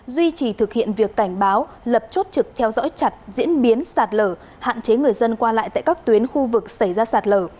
duy trì thực hiện việc cảnh báo lập chốt trực theo dõi chặt diễn biến sạt lở hạn chế người dân qua lại tại các tuyến khu vực xảy ra sạt lở